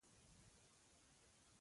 بهلول مخکې لاړ او ویې ویل: څه غواړې.